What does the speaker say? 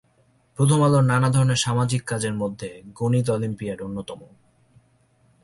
প্রথম আলোর নানা ধরনের সামাজিক কাজের মধ্যে গণিত অলিম্পিয়াড অন্যতম।